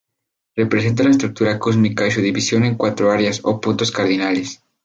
Representa la estructura cósmica y su división en cuatro áreas o puntos cardinales.